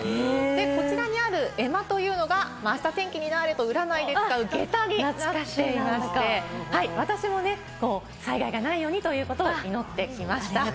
こちらにある絵馬というのが、あした天気になあれと占いで使う下駄になっていまして、私も災害がないようにということを祈ってきました。